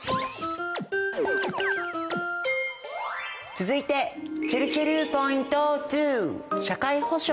続いてちぇるちぇるポイント２。